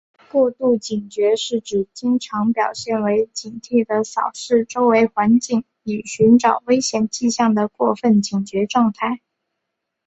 过度警觉是指经常表现为警惕地扫视周围环境以寻找危险迹象的过分警觉状态。